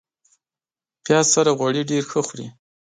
پیاز سره غوړي ډېر ښه خوري